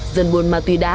dân buôn ma túy đá